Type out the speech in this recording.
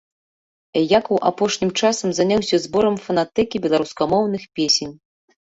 Якаў апошнім часам заняўся зборам фанатэкі беларускамоўных песень.